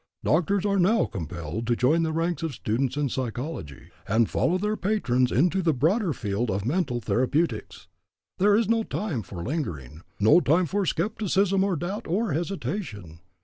Doctors are now compelled to join the ranks of students in psychology and follow their patrons into the broader field of mental therapeutics. There is no time for lingering, no time for skepticism or doubt or hesitation.